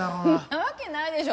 なわけないでしょ。